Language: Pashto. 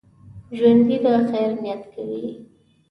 ژوندي د خیر نیت کوي